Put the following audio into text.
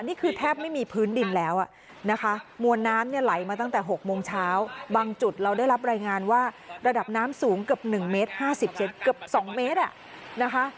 นี่คือแทบไม่มีพื้นดินแล้วนะคะ